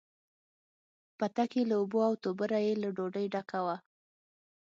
پتک یې له اوبو، او توبره یې له ډوډۍ ډکه وه.